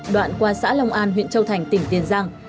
đoạn qua xã long an huyện châu thành tỉnh tiền giang